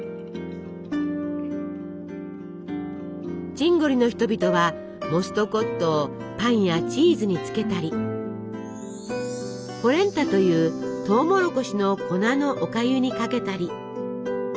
チンゴリの人々はモストコットをパンやチーズにつけたりポレンタというトウモロコシの粉のおかゆにかけたり。